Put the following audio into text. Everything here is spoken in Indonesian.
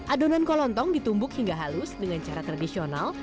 adonan kolontong ditumbuk hingga halus dengan cara tradisional